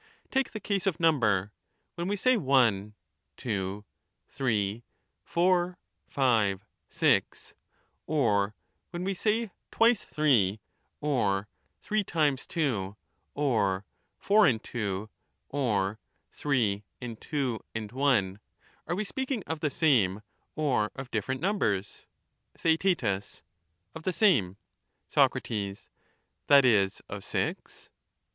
Take the case of ^^^3^^ number :— When we say one, two, three, four, five, six ; or differ from when we say twice three, or three times two, or four and two, ^J^^^ or three and two and one, are we speaking of the same or of all of 6=aii different numbers ?^• Theaet, Of the same. Soc, That is of six